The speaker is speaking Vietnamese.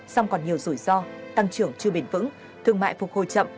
song còn nhiều rủi ro tăng trưởng chưa bền vững thương mại phục hồi chậm